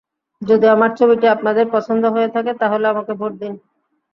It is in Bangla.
যদি আমার ছবিটি আপনাদের পছন্দ হয়ে থাকে, তাহলে আমাকে ভোট দিন।